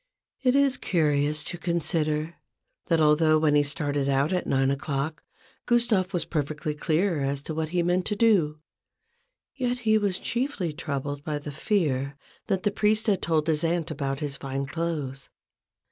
It is curious to consider, that although when he started out at nine o'clock, Gustave was perfectly clear as to what he meant to do, yet he was chiefly troubled by the fear that the priest had told his aunt about his fine clothes.